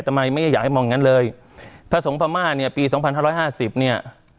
ทำไมไม่อยากให้มองอย่างนั้นเลยพระสงฆ์พระม่าเนี่ยปี๒๕๕๐เนี่ย